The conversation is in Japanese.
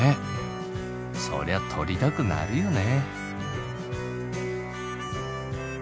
そりゃ撮りたくなるよね。